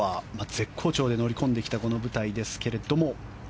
絶好調で乗り込んできたこの舞台ですけれども。